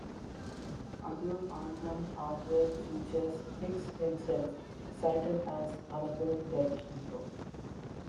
Other album artwork features Hicks himself cited as "another dead hero".